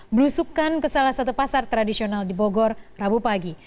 belusukan ke salah satu pasar tradisional di bogor rabu pagi